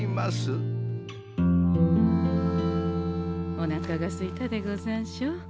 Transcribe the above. おなかがすいたでござんしょ？